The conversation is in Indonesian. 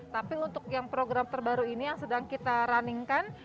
tapi untuk yang program terbaru ini yang sedang kita runningkan